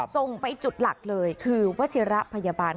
ส่งไปจุดหลักเลยคือวัชิระพยาบาล